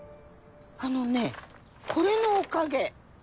あのねこれのおかげ。